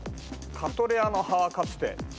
「カトレアの葉はかつて」